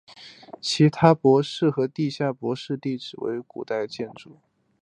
其他夯土台和地下夯土基址也都是古建筑基址。